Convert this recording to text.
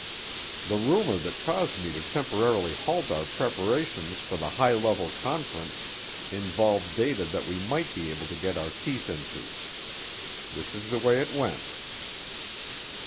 The rumor that caused me to temporarily halt our preparations for the high level conference involved data that we might be able to get our teeth into. This is the way it went.